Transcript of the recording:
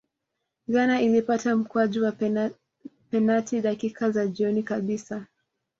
ghana ilipata mkwaju wa penati dakika za jioni kabisa